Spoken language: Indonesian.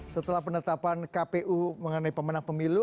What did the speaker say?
setelah penetapan kpu mengenai pemenang pemilu